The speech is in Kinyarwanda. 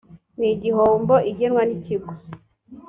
n igihombo igenwa n ikigo